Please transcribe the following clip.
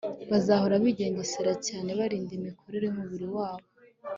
Bazahora bigengesereye cyane barinda imikorere yumubiri wabo